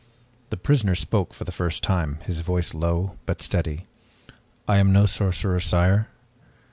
The prisoner spoke for the first time, his voice low but steady. "I am no sorcerer, sire."